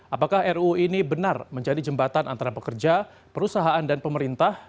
apakah ruu ini benar menjadi jembatan antara pekerja perusahaan dan pemerintah